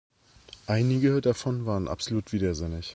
Einige davon waren absolut widersinnig.